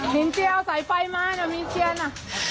นิ้นเจียวใส่ไฟมานะพี่เจียวนะ